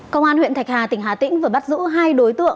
công an huyện thạch hà tỉnh hà tĩnh vừa bắt giữ hai đối tượng